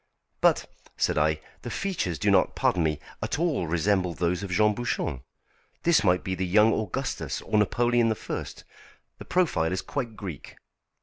"But," said I, "the features do not pardon me at all resemble those of Jean Bouchon. This might be the young Augustus, or Napoleon I. The profile is quite Greek."